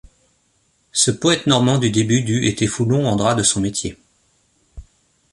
Ce poète normand du début du était foulon en draps de son métier.